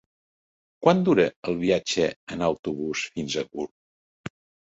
Quant dura el viatge en autobús fins a Gurb?